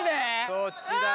そっちだ。